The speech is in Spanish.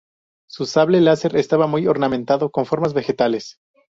Su sable láser estaba muy ornamentado con formas vegetales.